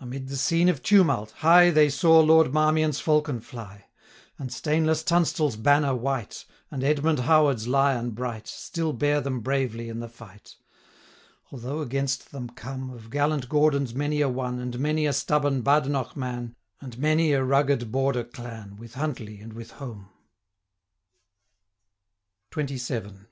Amid the scene of tumult, high They saw Lord Marmion's falcon fly: And stainless Tunstall's banner white, 790 And Edmund Howard's lion bright, Still bear them bravely in the fight; Although against them come, Of gallant Gordons many a one, And many a stubborn Badenoch man, 795 And many a rugged Border clan, With Huntly, and with Home. XXVII.